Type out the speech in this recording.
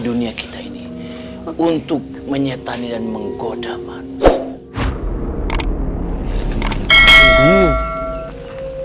dunia kita ini untuk menyetani dan menggoda manusia